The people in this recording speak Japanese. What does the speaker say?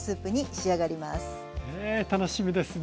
ねえ楽しみですね。